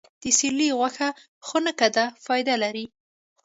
د سیرلي غوښه خونکه ده، فایده لري.